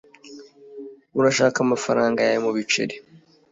urashaka amafaranga yawe mubiceri